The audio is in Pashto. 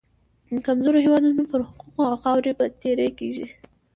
د کمزورو هېوادونو پر حقوقو او خاورې به تیری کېږي.